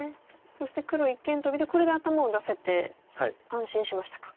そして黒一間トビでこれで頭を出せて安心しましたか。